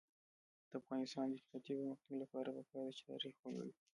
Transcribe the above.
د افغانستان د اقتصادي پرمختګ لپاره پکار ده چې تاریخ ولولو.